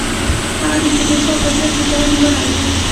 هغه د تیمورشاه په زړه کې ځای نیولی وو.